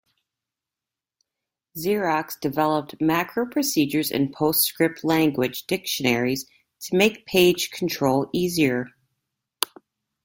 Xerox developed macro procedures in PostScript language dictionaries to make page control easier.